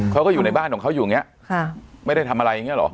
เขาก็อยู่ในบ้านของเขาอยู่อย่างนี้ไม่ได้ทำอะไรอย่างนี้หรอ